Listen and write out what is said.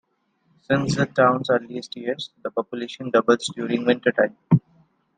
Since the town's earliest years, the population doubles during wintertime.